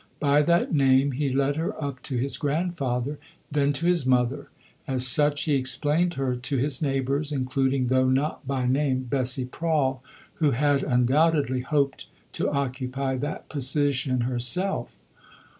By that name he led her up to his grandfather, then to his mother; as such he explained her to his neighbours, including (though not by name) Bessie Prawle, who had undoubtedly hoped to occupy that position herself.